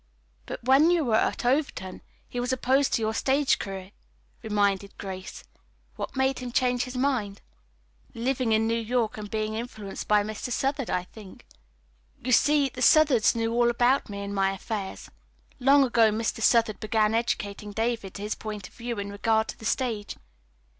"But when you were at Overton he was opposed to your stage career," reminded Grace. "What made him change his mind?" "Living in New York and being influenced by Mr. Southard, I think. You see the Southards knew all about me and my affairs. Long ago Mr. Southard began educating David to his point of view in regard to the stage.